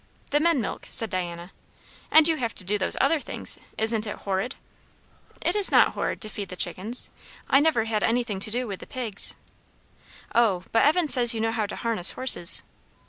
"The men milk," said Diana. "And you have to do those other things? Isn't it horrid?" "It is not horrid to feed the chickens. I never had anything to do with the pigs." "O, but Evan says you know how to harness horses."